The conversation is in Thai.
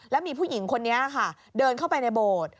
แล้วมีผู้หญิงคนนี้ค่ะเดินเข้าไปในโบสถ์